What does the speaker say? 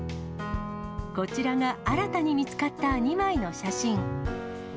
こちらが新たに見つかった２枚の写真。